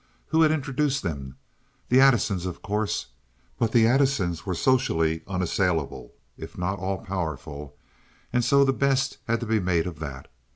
Who had introduced them? The Addisons, of course. But the Addisons were socially unassailable, if not all powerful, and so the best had to be made of that.